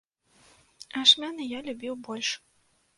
Ашмяны я любіў больш.